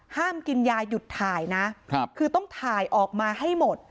ห้ามกินยาหยุดถ่ายนะคือต้องถ่ายออกมาให้หมด